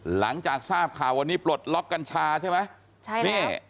หลังจากทราบข่าววันนี้ปลดล็อกกัญชาใช่ไหมใช่นี่